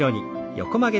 横曲げ。